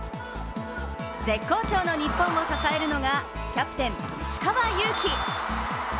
絶好調の日本を支えるのがキャプテン石川祐希。